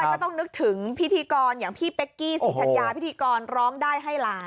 ก็ต้องนึกถึงพิธีกรอย่างพี่เป๊กกี้ศรีธัญญาพิธีกรร้องได้ให้ล้าน